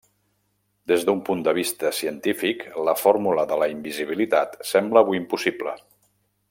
Des d'un punt de vista científic la fórmula de la invisibilitat sembla avui impossible.